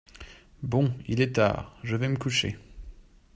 Bon, il est tard, je vais me coucher.